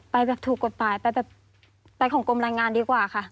ไปแบบถูกกฎหมายไปแบบไปของกรมรายงานดีกว่าค่ะ